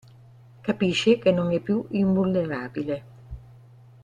Capisce che non è più invulnerabile.